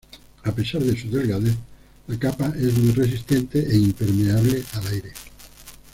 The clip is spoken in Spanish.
A pesar de su delgadez, la capa es muy resistente e impermeable al aire.